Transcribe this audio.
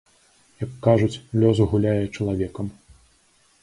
Як, кажуць, лёс гуляе чалавекам.